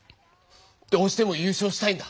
どうしても優勝したいんだ！